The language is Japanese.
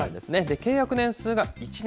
契約年数が１年。